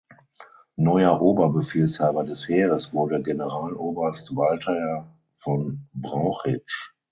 Neuer Oberbefehlshaber des Heeres wurde Generaloberst Walther von Brauchitsch.